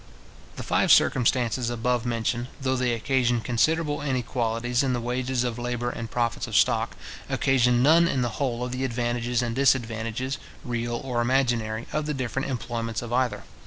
The five circumstances above mentioned, though they occasion considerable inequalities in the wages of labour and profits of stock, occasion none in the whole of the advantages and disadvantages, real or imaginary, of the different employments of either.